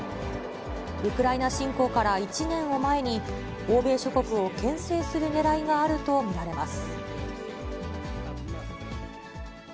ウクライナ侵攻から１年を前に、欧米諸国をけん制するねらいがあると見られます。